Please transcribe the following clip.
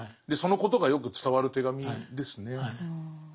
でそのことがよく伝わる手紙ですね。